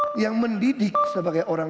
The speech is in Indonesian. jadi sanksi yang mendidik sebagai orang